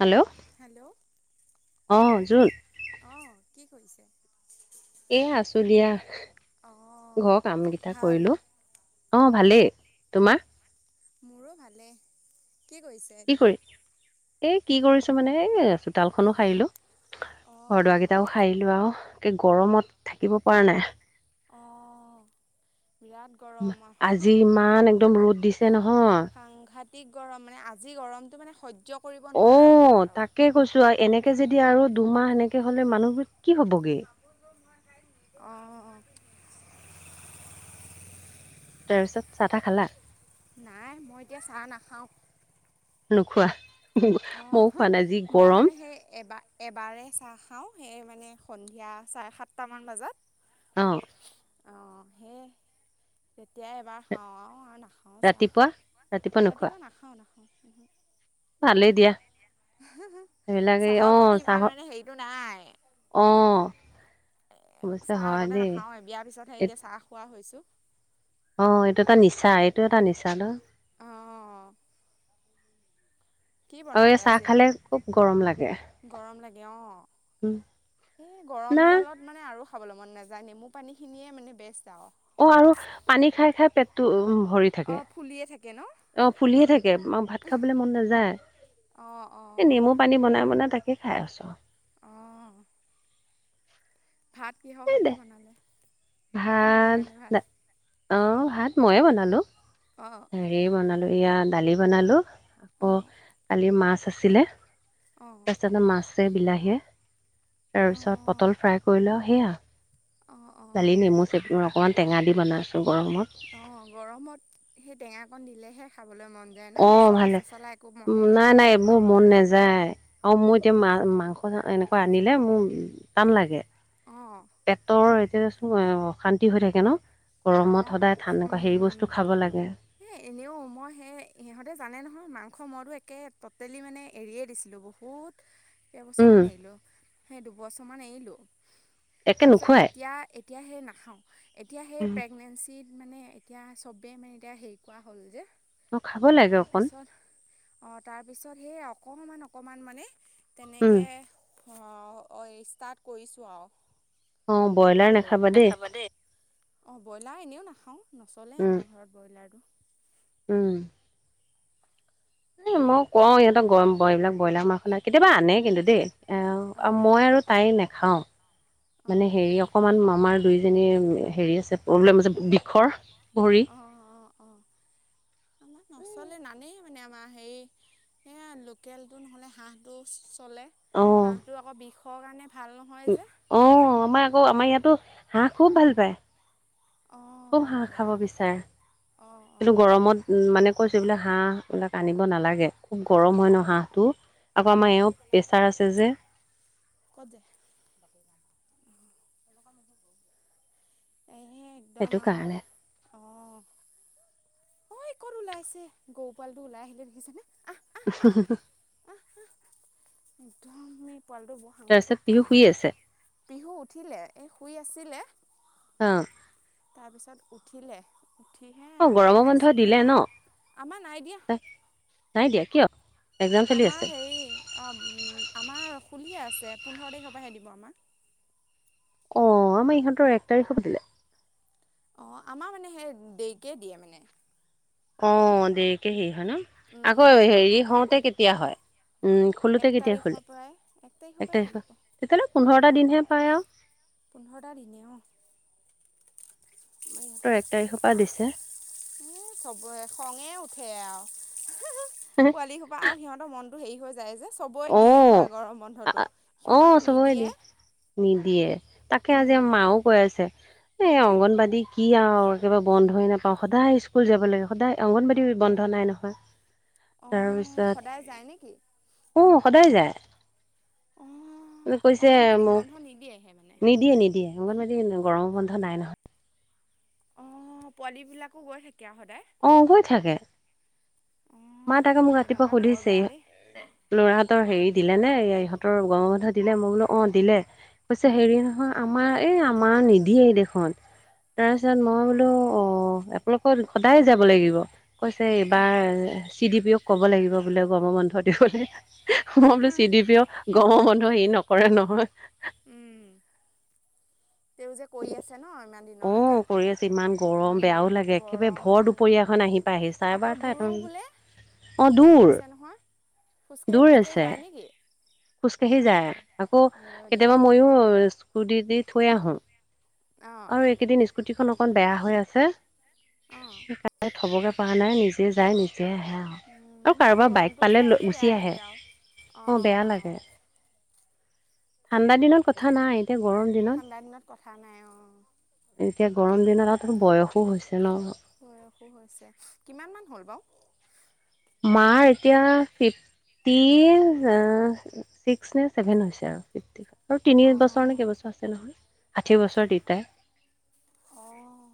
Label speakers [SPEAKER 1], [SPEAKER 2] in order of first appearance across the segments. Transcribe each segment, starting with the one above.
[SPEAKER 1] Hello
[SPEAKER 2] hello অ বক অ কি কৰিছে।
[SPEAKER 1] এ আছো দিয়া
[SPEAKER 2] অঁ
[SPEAKER 1] ঘৰ কাম কেইটা
[SPEAKER 2] ভাল
[SPEAKER 1] কৰিলো অ, ভালেই তোমাৰ।
[SPEAKER 2] মোৰো ভালেই কি কৰিছে এতিয়া।
[SPEAKER 1] এ কি কৰিছো মানে এ চোতালখনো সাৰিলো
[SPEAKER 2] অঁ
[SPEAKER 1] ঘৰ দুৱ
[SPEAKER 2] অঁ
[SPEAKER 1] কেইটাও সাৰিলো আৰু এ গৰমত থাকিব পৰা নাই।
[SPEAKER 2] অঁ বিৰাট গৰম আৰু
[SPEAKER 1] আজি ইমান একদম ৰ'দ দিছে। তেছে নহয়।
[SPEAKER 2] আকি গৰম মানে আজি গৰমটো মানে সহ্য কৰিব
[SPEAKER 1] অ
[SPEAKER 2] নোৱাৰা গৰম আৰু
[SPEAKER 1] তাকে কৈছো আৰু এনেকে যদি আৰু দুমাহ এনেকে হলে মানুহবোৰ। কি হ'বগে।
[SPEAKER 2] অঁ
[SPEAKER 1] তাৰপিছত চাহ তাহ খালা।
[SPEAKER 2] নাই মই এতিয়া চাহ নাখাওঁ।
[SPEAKER 1] নুখোৱা?
[SPEAKER 2] অ মই মানে সেই এবাৰ- এবাৰে চাহ খাও। সেই মানে সন্ধিয়া চাৰে সাতটা মান বজাত।
[SPEAKER 1] অঁ।
[SPEAKER 2] তেতিয়াাই এবাৰ খাওঁ আৰু আৰু নাখাও চাহ।
[SPEAKER 1] ৰাতিপুৱা নোখোৱা
[SPEAKER 2] ৰাতিপুৱা নাখাওঁ নাখাওঁ।
[SPEAKER 1] ভালেই দিয়া। এইবিলাকে অ
[SPEAKER 2] চাহৰ প্ৰতি ইমান
[SPEAKER 1] চাহৰ
[SPEAKER 2] মানে হেৰিটো নাই এ
[SPEAKER 1] অ অৱশ্যে
[SPEAKER 2] চাহ
[SPEAKER 1] হয়
[SPEAKER 2] আগতে
[SPEAKER 1] দেই
[SPEAKER 2] নাখাওঁ। এ বিয়াৰ পিছতহে
[SPEAKER 1] এ
[SPEAKER 2] এতিয়া চাহ খোৱা হৈছোঁ।
[SPEAKER 1] অ' এইটো এটা নিচা, এইটো এটা নিচা ন।
[SPEAKER 2] অ', কি
[SPEAKER 1] আৰু
[SPEAKER 2] বনালে
[SPEAKER 1] এই চাহ
[SPEAKER 2] আজি?
[SPEAKER 1] খালে খুব গৰম লাগে
[SPEAKER 2] গৰম লাগে অ'।
[SPEAKER 1] উম।
[SPEAKER 2] এই গৰম
[SPEAKER 1] না
[SPEAKER 2] দালত মানে আৰু খাবলৈ মন নাযায়, নেমু পানী খিনিয়ে মানে বেচট আৰু
[SPEAKER 1] অ' আৰু পানী খাই খাই পেটটো উম। ভৰি থাকে,
[SPEAKER 2] অ', ফুলিয়ে থাকে ন?
[SPEAKER 1] অ' ফুলিয়ে থাকে ভাত খাবলৈ মন নাযায়।
[SPEAKER 2] অ',
[SPEAKER 1] এই
[SPEAKER 2] অ',
[SPEAKER 1] নেমু পানী বনাই বনাই তাকে খাই আছোঁ।
[SPEAKER 2] অহ' ভাত কিহৰ
[SPEAKER 1] এই দে
[SPEAKER 2] সৈতে বনালে। কোনে
[SPEAKER 1] ভাত
[SPEAKER 2] বনালে ভাত?
[SPEAKER 1] অ' ভাত মইয়ে বনালোঁ,
[SPEAKER 2] অ'।
[SPEAKER 1] হেৰি বনালোঁ। এয়াৰ দালি বনালোঁ। অ' কালি মাছ আছিলে,
[SPEAKER 2] অ',
[SPEAKER 1] তাৰপিছতে মাছ মাছে, বিলাহীয়ে।
[SPEAKER 2] অ',
[SPEAKER 1] তাৰপিছত, পটল ফ্ৰাই কৰিলোঁ সেয়া।
[SPEAKER 2] অ',
[SPEAKER 1] দালি
[SPEAKER 2] অ',
[SPEAKER 1] নেমু চেপি অকনমান টেঙা দি বনাইছোঁ।
[SPEAKER 2] অ' গৰমত সেই টেঙাকন দিলেহে খাব
[SPEAKER 1] অ' ভালে উম
[SPEAKER 2] মনেই
[SPEAKER 1] নাই
[SPEAKER 2] নাযায়
[SPEAKER 1] নাই এইবোৰ
[SPEAKER 2] খাবলৈ।
[SPEAKER 1] মন নাযায় আৰু মই এতিয়া মাছ মাংস চাং এনেকা আনিলে মোৰ টান লাগে
[SPEAKER 2] অ'।
[SPEAKER 1] পেটৰ এতিয়া টো অশান্তি হৈ থাকে ন গৰমত
[SPEAKER 2] অঁ
[SPEAKER 1] সদায় ঠান এনেকুৱা
[SPEAKER 2] উম
[SPEAKER 1] হে বস্তু
[SPEAKER 2] উম
[SPEAKER 1] খাব লাগে।
[SPEAKER 2] এই এনেও মই সেই সিহঁতে জানে নহয়, মাংস মইতো একে ট'টেলি মানে এৰিয়ে দিছিলোঁ বহুত। বহুত
[SPEAKER 1] উম
[SPEAKER 2] কেইবছৰমান এৰিলোঁ, সেই দুবছৰমান এৰিলোঁ।
[SPEAKER 1] একে
[SPEAKER 2] তাৰপাছত
[SPEAKER 1] নোখোৱাই
[SPEAKER 2] এতিয়া এতিয়া হেই নাখাওঁ। এতিয়া হেই
[SPEAKER 1] উম
[SPEAKER 2] প্ৰেগনেছি মানে এতিয়া চবেই মানে এতিয়া হেৰি কৰা হ'ল যে
[SPEAKER 1] অ' খাব লাগে অকণ।
[SPEAKER 2] অ' তাৰপিছত সেই অকমান অকমান মানে
[SPEAKER 1] উম
[SPEAKER 2] তেনেকে অ' অ' ষ্টাৰ্ট কৰিছোঁ আৰু
[SPEAKER 1] অ' ব্ৰইলাৰ নাখাবা দেই।
[SPEAKER 2] অ' ব্ৰইলাৰ এনেও নাখাওঁ, নচলেই
[SPEAKER 1] উম
[SPEAKER 2] আমাৰ ঘৰত ব্ৰইলাৰটো।
[SPEAKER 1] উম। এই মই কওঁ ইহঁতক গৰম এইবিলাক ব্ৰইলাৰ মাংখ না কেতিয়াবা আনে কিন্তু দেই।
[SPEAKER 2] অঁ
[SPEAKER 1] মই আৰু তাই নাখাওঁ। মানে
[SPEAKER 2] অঁ
[SPEAKER 1] হেৰি অকমান আমাৰ দুইজনী হেৰি আছে প্ৰব্লেম বিষৰ। ভৰি
[SPEAKER 2] অঁ অঁ অঁ আমাৰ নচলে নানেই মানে আমাৰ হেই এয়া লোকেল টো নহ'লে হাঁহটো চলে, হাঁহটো আকৌ বিষৰ কাৰণে ভাল নহয়
[SPEAKER 1] ও,
[SPEAKER 2] যে
[SPEAKER 1] অ' আমাৰ আকৌ আমাৰ ইয়াতো হাঁহ খুব ভাল পায়। খুব হাঁহ
[SPEAKER 2] অঁ
[SPEAKER 1] খাব বিচাৰে।
[SPEAKER 2] অঁ অঁ
[SPEAKER 1] কৈছোঁ এইবিলাক হাঁহ এইবিলাক আনিব নালাগে, খুব গৰম হয় নহয় হাঁহটো। আকৌ আমাৰ এওঁক প্ৰেছাৰ আছে যে
[SPEAKER 2] হেনেকুৱা মানুহ বৰ বেয়া। এহে
[SPEAKER 1] সেইটো
[SPEAKER 2] একদম আৰু
[SPEAKER 1] কাৰণে,
[SPEAKER 2] অ' অই ক'ত ওলাইছে গৌ পোৱালি টো ওলাই আহিলে দেখিছিনে।
[SPEAKER 1] [unintelligible]
[SPEAKER 2] একদমেই পোৱালিটো বৰ
[SPEAKER 1] তাৰপিছত
[SPEAKER 2] সাংঘাতিক
[SPEAKER 1] পিহু শুই
[SPEAKER 2] পোৱালিটো।
[SPEAKER 1] আছে
[SPEAKER 2] পিহু উঠিলে, এই শুই আছিলে।
[SPEAKER 1] অ'
[SPEAKER 2] তাৰপিছত উঠিলে। উঠি হে
[SPEAKER 1] অ', গৰমৰ বন্ধ দিলে
[SPEAKER 2] আইচক্ৰীম,
[SPEAKER 1] ন?
[SPEAKER 2] আমাৰ নাইদিয়া।
[SPEAKER 1] নাই দিয়া কিয়? এক্জাম চলি
[SPEAKER 2] আমাৰ
[SPEAKER 1] আছে,
[SPEAKER 2] হেৰি অ' উম, আমাৰ খুলিয়ে আছে, পোন্ধৰ তাৰিখৰ পৰাহে দিব আমাক
[SPEAKER 1] অ' আমাৰ ইহঁতৰ এক তাৰিখ পৰা দিলে।
[SPEAKER 2] অ' আমাৰ মানে সেই দেকে দিয়ে মানে।
[SPEAKER 1] অ দেৰিকে হেৰি হয় ন?
[SPEAKER 2] উম
[SPEAKER 1] আকৌ
[SPEAKER 2] উম
[SPEAKER 1] হেৰি হওঁতে কেতিয়া হয়? উম
[SPEAKER 2] এক
[SPEAKER 1] খলোতে কেতিয়া খোলে
[SPEAKER 2] তাৰিখৰ পৰাই তাৰিখৰ
[SPEAKER 1] এক
[SPEAKER 2] পৰাই
[SPEAKER 1] তাৰিখত
[SPEAKER 2] খুলিব
[SPEAKER 1] তেতিয়াহলে পোন্ধৰটা দিনহে পায় আৰু।
[SPEAKER 2] পোন্ধৰ টা দিনে অ'
[SPEAKER 1] আমাৰ ইহঁতৰ এক তাৰিখৰ পৰা দিছে।
[SPEAKER 2] উম চবৰে খঙে উঠে আৰু পোৱালি সোপা আৰু সিহঁতৰ মনটো হেৰি হৈ যায় যে চবে দিয়ে
[SPEAKER 1] অ',
[SPEAKER 2] হয় গৰম বন্ধতটো
[SPEAKER 1] অ',
[SPEAKER 2] সিহতৰ
[SPEAKER 1] চবৰে দিয়ে
[SPEAKER 2] নিদিয়ে।
[SPEAKER 1] নিদিয়ে তাকে আজি মাও কৈ আছে।
[SPEAKER 2] হয়।
[SPEAKER 1] এই অংগনবাদী কি আৰু একেবাৰে বন্ধই নাপাওঁ সদায় স্কুল যাব লাগে সদায় অংগনবাদী বন্ধ নাই নহয়। হয় হয়।
[SPEAKER 2] অ সদায় যায় নেকি?
[SPEAKER 1] উ সদায় যায়।
[SPEAKER 2] অ
[SPEAKER 1] কৈছে
[SPEAKER 2] অংগনবাড়ীত
[SPEAKER 1] মোক
[SPEAKER 2] বন্ধ নিদিয়েহে মানে
[SPEAKER 1] নিদিয়ে- নিদিয়ে। ইমানদি গৰম বন্ধ নাই নহয়।
[SPEAKER 2] অ পোৱালী বিলাকো গৈ থাকে আৰু সদায়
[SPEAKER 1] অ গৈ থাকে
[SPEAKER 2] অ
[SPEAKER 1] আমা তাকে মোক ৰাতিপুৱা
[SPEAKER 2] তেনেকুৱাত বৰ
[SPEAKER 1] সুধিছে
[SPEAKER 2] বেয়া দেই
[SPEAKER 1] লৰাহতৰ হেৰি দিলে নে ইহঁতৰ গৰম বন্ধ দিলে মই বোলো অ দিলে কৈছে
[SPEAKER 2] উম
[SPEAKER 1] হেৰি নহয় আমাৰ এই আমাৰ নিদিয়েই দেখোন তাৰপিছত মই বোলো অ আপালোকৰ সদায় যাব লাগিব কৈছে এইবাৰ চি ডি পি অক কব লাগিব বোলে গৰম বন্ধ দিবলে মই বোলো
[SPEAKER 2] আহা
[SPEAKER 1] চিডি পিয় গৰম বন্ধ হেই নকৰে নহয়
[SPEAKER 2] উম তেওঁ যে কৰি আছে ন ইমান
[SPEAKER 1] অ
[SPEAKER 2] দিনলৈকে
[SPEAKER 1] কৰি আছে ইমান গৰম
[SPEAKER 2] উম
[SPEAKER 1] বেয়াও লাগে একেবাৰে ভৰ দুপৰীয়াখন আহি পাইহি চাৰে বা
[SPEAKER 2] দুৰো বোলে এ কৈছে নহয় খোজ কাঢ়ি খোজ কাঢ়ি যায় নেকি
[SPEAKER 1] খোজ কাঢ়ি যায় আকৌ
[SPEAKER 2] আইঅ
[SPEAKER 1] কেতিয়াবা
[SPEAKER 2] দেহি
[SPEAKER 1] মইও স্কুটি দি থৈ আহো
[SPEAKER 2] অঁ
[SPEAKER 1] আৰু এইকেইদিন স্কুটিখন অকন বেয়া হৈ আছে
[SPEAKER 2] অঁ
[SPEAKER 1] থবগে পোৱা নাই নিজে যায় নিজে আহে আও আৰু
[SPEAKER 2] মানে সেই
[SPEAKER 1] কাৰোবাৰ বাইক
[SPEAKER 2] গৰমটোক
[SPEAKER 1] পালে
[SPEAKER 2] চাই পেলাই বেয়া
[SPEAKER 1] গুচি আহে
[SPEAKER 2] লাগে আৰু
[SPEAKER 1] অ
[SPEAKER 2] অঁ
[SPEAKER 1] বেয়া
[SPEAKER 2] অঁ
[SPEAKER 1] লাগে ঠাণ্ডা দিনত কথা নাই এতিয়া গৰম
[SPEAKER 2] ঠাণ্ডা দিনত কথা নাই অ
[SPEAKER 1] এতিয়া গৰম দিনত তুমি বয়সো হৈছে ন
[SPEAKER 2] অ বয়সো হৈছে কিমান মান হ'ল বাও
[SPEAKER 1] মাৰ এতিয়া ফিফ টি আ চিক্স নে চেভেন হৈছে আৰু ফিফটি আৰু তিনি বছৰ নে
[SPEAKER 2] অঁ
[SPEAKER 1] কেইবছৰ আছে নহয় ষাঠি বছৰ তিতাই
[SPEAKER 2] অঁ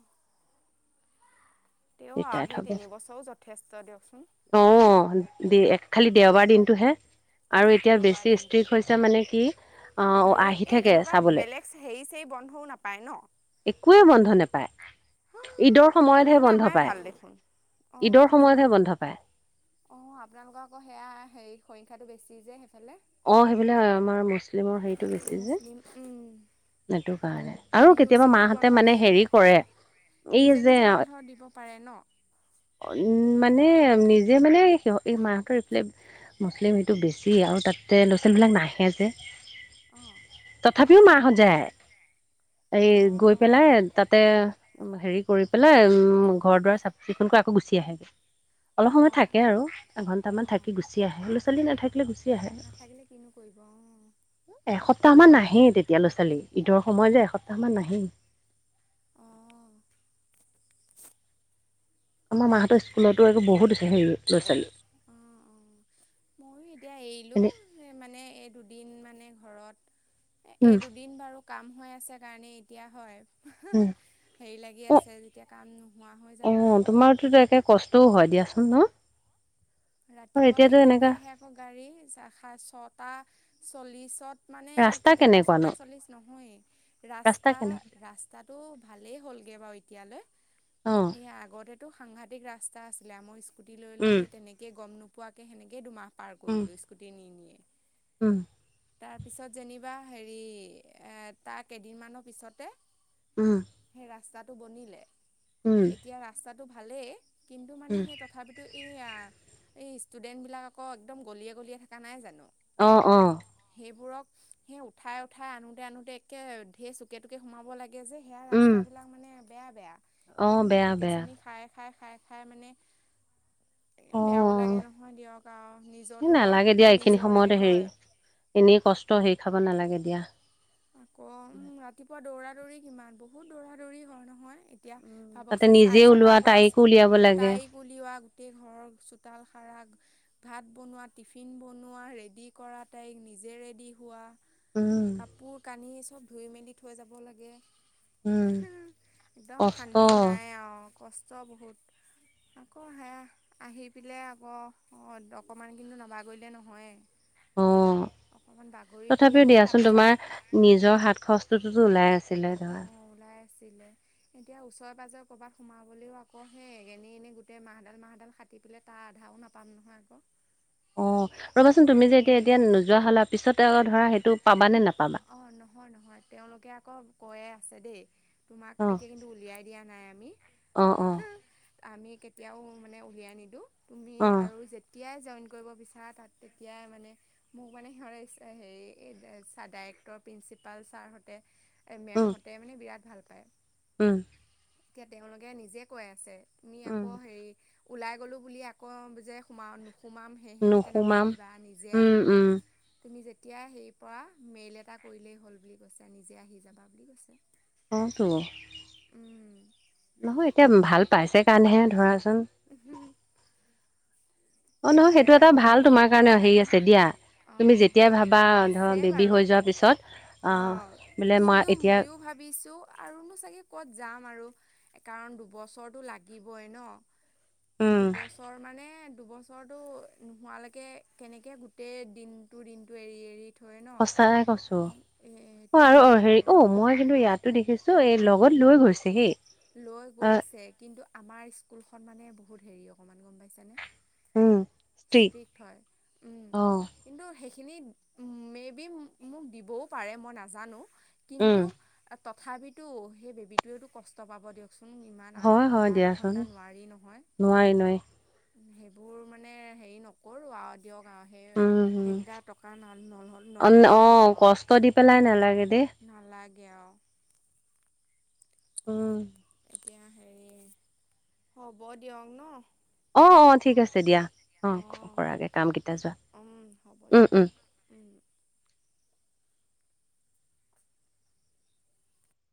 [SPEAKER 2] তেওঁ আও
[SPEAKER 1] ৰিটায়াৰ্ড
[SPEAKER 2] সেই
[SPEAKER 1] হ'ব।
[SPEAKER 2] তিনিবছৰও যথেষ্ট দিয়ক
[SPEAKER 1] অ দে খালি দেওবাৰ দিনটোহে আৰু এতিয়া
[SPEAKER 2] দেওবাৰ
[SPEAKER 1] বেছি
[SPEAKER 2] দিনটো
[SPEAKER 1] ষ্ট্ৰিক্ হৈছে মানে কি! অ
[SPEAKER 2] হেৰি
[SPEAKER 1] আহি
[SPEAKER 2] এই
[SPEAKER 1] থাকে
[SPEAKER 2] এনেকুৱা
[SPEAKER 1] চাবলৈ
[SPEAKER 2] বেলেগ হেৰি চৰি বন্ধও নাপায় ন!
[SPEAKER 1] পায়, ঈদৰ সময়তহে
[SPEAKER 2] তেনেহ'লে
[SPEAKER 1] বন্ধ
[SPEAKER 2] আমাৰে
[SPEAKER 1] পায়,
[SPEAKER 2] ভাল
[SPEAKER 1] ঈদৰ সময়তহে বন্ধ পায়
[SPEAKER 2] অ আপোনালোকৰ আকৌ সেয়া হে সংখ্যাটো বেছি যে সেইফালে।
[SPEAKER 1] অ সেইবিলাক আমাৰ মুছলিমৰ হেৰিটো বেছি যে।
[SPEAKER 2] মুছলিম
[SPEAKER 1] সেইটো কাৰণে আৰু
[SPEAKER 2] বিহু
[SPEAKER 1] কেতিয়াবা
[SPEAKER 2] চিহুত বন্ধ
[SPEAKER 1] মাহঁতে মানে
[SPEAKER 2] দিয়ে
[SPEAKER 1] হেৰি কৰে। এই
[SPEAKER 2] নিজে
[SPEAKER 1] যে
[SPEAKER 2] নিজে বন্ধ দিব পাৰে ন!
[SPEAKER 1] উম মানে নিজে মানে সিত এই মাহঁতৰ এইফালে মুছলিম সেইটো বেছি আও আৰু তাতে ল'ৰা ছোৱালবিলাক নাহে যে।
[SPEAKER 2] অঁ
[SPEAKER 1] তথাপিও মাহত যায়। এই গৈ
[SPEAKER 2] অঁ
[SPEAKER 1] পেলাই তাতে হেৰি কৰি পেলাই উম ঘৰ দুৱাৰ চাফ-চিকুণ ফোন কৰি আকৌ গুচি আহেগে অলপ সময়
[SPEAKER 2] অঁ অঁ
[SPEAKER 1] থাকে আৰু এঘন্ট মান
[SPEAKER 2] অঁ
[SPEAKER 1] থাকি গুচি আহে। চাল নাথাকিল গুছে
[SPEAKER 2] নাথাকিলে কিনো কৰিব অ,
[SPEAKER 1] সপ্তাহ মান নাহে তেতিয়া ল'ৰা ছোৱালী ঈদৰ সময় যে এসপ্তাহ মান নাহে।
[SPEAKER 2] অঁ
[SPEAKER 1] মোৰ মাহতৰ
[SPEAKER 2] তাকেই। অঁ
[SPEAKER 1] স্কুলতো একো বহুত হেৰি ল'ৰা ছোৱালী।
[SPEAKER 2] মইো এতিয়া এৰিলো
[SPEAKER 1] এনে
[SPEAKER 2] মানে এই দুদিন মানে ঘৰত
[SPEAKER 1] উম
[SPEAKER 2] এই দুদিন বাৰু কাম হৈ আছে কাৰণে। তেতিয়া হয়
[SPEAKER 1] উম
[SPEAKER 2] হেৰি লাগি
[SPEAKER 1] অ
[SPEAKER 2] আছে যেতিয়া কাম নোহোৱা হৈ যাব আকৌ।
[SPEAKER 1] তাকে কষ্টও হয় দিয়াচোন ন আৰু
[SPEAKER 2] ৰাতিপুৱা
[SPEAKER 1] এতিয়াতো
[SPEAKER 2] সেইৰিটাতে
[SPEAKER 1] এনেকা
[SPEAKER 2] আহে আকৌ গাড়ী ছটা চল্লিশত মানে
[SPEAKER 1] ৰাস্তা
[SPEAKER 2] কেতিয়াবা
[SPEAKER 1] কেনেকুৱানো
[SPEAKER 2] ছটা চল্লিশ নহয়ে ৰাস্তা - ৰাস্তাতটো ভালেই হ'ল কে বাৰু এতিয়ালৈ
[SPEAKER 1] অ
[SPEAKER 2] এয়া আগতে টো সাংঘাতি ৰাস্তা আছিলে আাৰ স্কুটি লৈ - লৈ
[SPEAKER 1] উম
[SPEAKER 2] সেই তেনেকে গম নোপোৱাকে সেনেকে দুমাহ পাৰ
[SPEAKER 1] উম
[SPEAKER 2] কৰিলো স্কুটি নি - নিয়ে।
[SPEAKER 1] উম
[SPEAKER 2] তাৰ পিছত যেনিবা হেৰি এ তাৰ কেইদিনমানৰ পিছতে।
[SPEAKER 1] উম
[SPEAKER 2] সেই ৰাস্তাটো বনিলে
[SPEAKER 1] উম
[SPEAKER 2] এতিয়া ৰাস্তাটো ভালেই কিন্তু মানে
[SPEAKER 1] উম
[SPEAKER 2] সেই তথাপিতো এই এই ষ্টুডেন্ট বিলাক আকৌ একদম গলিয়ে - গলিয়ে থকা নাই জানো।
[SPEAKER 1] অ', - অ',
[SPEAKER 2] এইবোৰক সেই উঠাই - উঠাই আনোতে আনোতে একে ঢেৰ চকে টোকে সোমাব লাগে। কে যে সেয়া
[SPEAKER 1] উম
[SPEAKER 2] ৰাস্তা বিলাক মানে বেয়া - বেয়া
[SPEAKER 1] অ
[SPEAKER 2] একদম
[SPEAKER 1] বেয়া বেয়া
[SPEAKER 2] থঠেকেচনি খাই। খাই - খাই - খাই মানে
[SPEAKER 1] অ
[SPEAKER 2] বেয়াও লাগে নহয় দিয়ক আৰু নিজো
[SPEAKER 1] এই নালাগে দিয়া
[SPEAKER 2] বাৰু
[SPEAKER 1] এইখিনি
[SPEAKER 2] নিজৰে
[SPEAKER 1] সময়তে হেৰি
[SPEAKER 2] হয়।
[SPEAKER 1] এনেই কষ্ট হেৰি খাব নালাগে দিয়া।
[SPEAKER 2] আকৌ উম, ৰাতিপুৱা দৌৰা দৌৰি কিমান বহুত দৌৰা দৌৰি হয় নহয়। এতিয়া
[SPEAKER 1] তাতে
[SPEAKER 2] ভাবকচোন
[SPEAKER 1] নিজে
[SPEAKER 2] চাৰে
[SPEAKER 1] ওলোৱা
[SPEAKER 2] ছটাৰ পৰা
[SPEAKER 1] তাইকো উলিয়াব লাগে
[SPEAKER 2] তাই উলিওৱা গোটেই ঘৰৰ চোতাল সাৰা ভাত বনোৱা টিফিন বনোৱা ৰেডি কৰা তাইক নিজে ৰেডি হোৱা
[SPEAKER 1] উম,
[SPEAKER 2] কাপোৰ কানি চব ধুই মেলি থৈ যাব লাগে।
[SPEAKER 1] উম
[SPEAKER 2] একদম
[SPEAKER 1] কষ্ট
[SPEAKER 2] শান্তি নাই আৰু কষ্ট বহুত আকৌ সেয়া আহি পাই আকৌ অ, অকমান কিন্তু নাবাগৰিলে নহয়েই।
[SPEAKER 1] অ,
[SPEAKER 2] অকণমান বাগৰি
[SPEAKER 1] তথাপিও
[SPEAKER 2] পেলেহে
[SPEAKER 1] দিয়াচোন
[SPEAKER 2] তাৰপিছত
[SPEAKER 1] তোমাৰ নিজৰ হাত খচটোতো ওলাই আছিলে ধৰা।
[SPEAKER 2] ওলাই এতিয়া ওচৰে পৰে সোমাবও আকৌ এ এনেই গো মাহডাল - মাহডাল কাট পেলাই তাৰ আধাও নাপাম নহয় আকৌ
[SPEAKER 1] অ, ৰ'বাচোন
[SPEAKER 2] সেইকাৰণে
[SPEAKER 1] তুমি যে এতিয়া -
[SPEAKER 2] নকৰোঁৱে
[SPEAKER 1] এতিয়া
[SPEAKER 2] আৰু
[SPEAKER 1] নোযোৱা হ'লা পিছতকৌ ধৰা সেইটো পাবা নে নাপাবা।
[SPEAKER 2] হয় তেওলোকে আকৌ দেই তোমাক
[SPEAKER 1] অ',
[SPEAKER 2] এতিয়া কিন্তু উলিয়াই দিয়া নাই আমি
[SPEAKER 1] অ', অ',
[SPEAKER 2] আমি কেতিয়াও মানে উলিয়াই নিদিও তুমি
[SPEAKER 1] অ',
[SPEAKER 2] আৰু যেতিয়াই জইন কৰিব বিচাৰ তাত তেতিয়া মানে মোক মানে সিহ হেৰি ডাইৰেক্টৰ প্ৰিঞ্চিপাল ছাৰহতে মেমহতে মানে বিৰা ভাল প
[SPEAKER 1] হম
[SPEAKER 2] এতিয়া তেওলোকে নিজে কৈ আছে তুমি
[SPEAKER 1] উম,
[SPEAKER 2] আকৌ হেৰি ওলাই গ'লো বুলি আকৌ যে সোমাও। সোমাম হে সেনেকে
[SPEAKER 1] নোসোমাম
[SPEAKER 2] নাভাবিবা নিজে
[SPEAKER 1] উম,
[SPEAKER 2] আহিবা
[SPEAKER 1] উম,
[SPEAKER 2] তুমি যে এতিয়া সেই পৰা মেইল এটা কৰিলেই হ'ল বুলি কৈছে নিজে আহি যাবা বুলি কৈছে।
[SPEAKER 1] অটো
[SPEAKER 2] উম,
[SPEAKER 1] নহয় এতিয়া ভাল পাইছে কাৰণেহে ধৰা
[SPEAKER 2] হম।
[SPEAKER 1] অ' নহয় সেইটো এটা ভাল তোমাৰ কাৰণে হেৰি
[SPEAKER 2] সেইদিনাখন
[SPEAKER 1] আছে দিয়া। তুমি
[SPEAKER 2] অ'
[SPEAKER 1] যেতিয়াই ভাবা ধৰা
[SPEAKER 2] আছে
[SPEAKER 1] বেবী
[SPEAKER 2] বাৰু
[SPEAKER 1] হৈ যোৱাৰ পিছত বোলে মই এতিয়া
[SPEAKER 2] ভাবিছো আৰু নো চাগে ক'ত যাম আৰু কাৰণ দুবছৰটো লাগিবই ন।
[SPEAKER 1] উম,
[SPEAKER 2] দুবছৰ মানে দুবছৰ ওচৰটো নোহোৱালৈকে কেনেকৈ গোটেই দিনটোৰ দিনটো এৰি এৰি থয় ন
[SPEAKER 1] সস্তাই কৈছো,
[SPEAKER 2] এ
[SPEAKER 1] অ' আৰু অ হেৰি
[SPEAKER 2] সেইটো
[SPEAKER 1] অ মই কিন্তু ইয়াত টো দেখিছো এই লগত লৈ গৈছে হেই। অ',
[SPEAKER 2] [inaudible]
[SPEAKER 1] হম।
[SPEAKER 2] ্ৰ উম কিন্তু সেই মে বি মোক দিবও পাৰে মই নাজানো
[SPEAKER 1] উম।
[SPEAKER 2] কিন্ত। তথাপিতো সেই বেবীটোৱেতো কষ্ট পাব দিয়ক। চোন ইমান আঠ
[SPEAKER 1] হয়, হয়
[SPEAKER 2] ঘণ্টা আঠ
[SPEAKER 1] দিয়াচোন
[SPEAKER 2] ঘণ্টা নোৱাৰি নহয়।
[SPEAKER 1] নোৱাৰি নোৱাৰি।
[SPEAKER 2] সেইবোৰ মানে হেৰি নকৰো আৰু। দিয়ক আৰু সেই
[SPEAKER 1] উম, উম।
[SPEAKER 2] সেইকেইটা টকা
[SPEAKER 1] অন
[SPEAKER 2] নল'লেও হ'ব
[SPEAKER 1] অ' কষ্ট দি পেলাই
[SPEAKER 2] আৰু।
[SPEAKER 1] নালাগে দেই।
[SPEAKER 2] নালাগে আৰু।
[SPEAKER 1] উম।
[SPEAKER 2] এতিয়া হেৰি হ'ব দিয়ক ন।
[SPEAKER 1] অ' অ' ঠিক আছে দিয়া অ'
[SPEAKER 2] অঁ
[SPEAKER 1] কৰাগে কাম কেইটা যোৱা।
[SPEAKER 2] উম হ'ব
[SPEAKER 1] উম,
[SPEAKER 2] দিয়ক
[SPEAKER 1] উম।
[SPEAKER 2] বাৰু, উম।